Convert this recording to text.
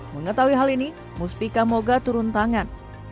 mengetahui hal ini muspika moga turun tangan